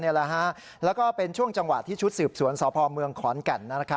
ในโลกโซเชียลแล้วก็เป็นช่วงจังหวัดที่ชุดสืบสวนสภอเมืองขอนแก่น